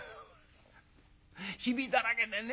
「ひびだらけでねえ